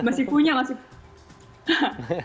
masih punya masih